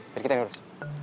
biar kita ngurus